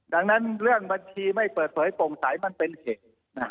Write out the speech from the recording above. ดังนั้นเรื่องบัญชีไม่เปิดเผยโปร่งใสมันเป็นเหตุ